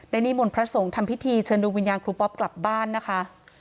นิมนต์พระสงฆ์ทำพิธีเชิญดูวิญญาณครูปอ๊อปกลับบ้านนะคะ